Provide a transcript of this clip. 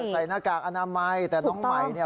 หน้ากากอนามัยแต่น้องใหม่เนี่ย